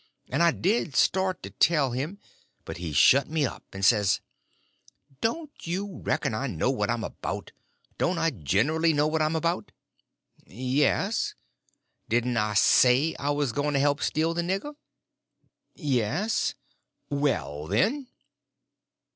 And I did start to tell him; but he shut me up, and says: "Don't you reckon I know what I'm about? Don't I generly know what I'm about?" "Yes." "Didn't I say I was going to help steal the nigger?" "Yes." "Well, then."